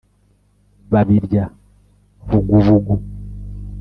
babirya bugubugu